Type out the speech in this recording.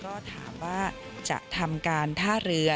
ก็ถามว่าจะทำการท่าเรือ